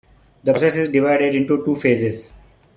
The process is divided into two phases.